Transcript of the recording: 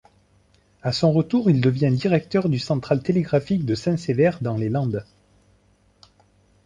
À son retour, il devient directeur du Central Télégraphiquede Saint-Sever dans les Landes.